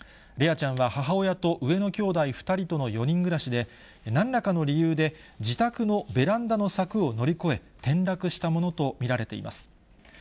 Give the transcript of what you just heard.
れあちゃんは母親と上のきょうだい２人との４人暮らしで、なんらかの理由で、自宅のベランダの柵を乗り越え、転落したものと見られています。